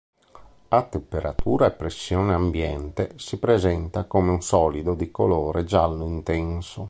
A temperatura e pressione ambiente si presenta come un solido di colore giallo intenso.